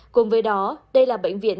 cùng với đó đây là bệnh viện